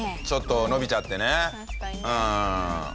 ちょっと伸びちゃってねうん。